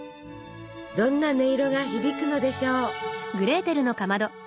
どんな音色が響くのでしょう。